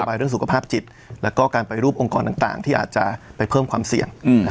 เรื่องสุขภาพจิตแล้วก็การไปรูปองค์กรต่างที่อาจจะไปเพิ่มความเสี่ยง